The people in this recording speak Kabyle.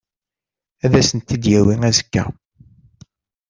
Ad asen-t-id-yawi azekka.